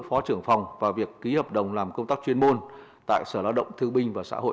phó trưởng phòng và việc ký hợp đồng làm công tác chuyên môn tại sở lao động thương binh và xã hội